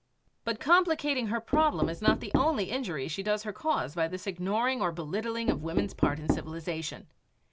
But complicating her problem is not the only injury she does her cause by this ignoring or belittling of woman's part in civilization.